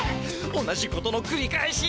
同じことのくり返し！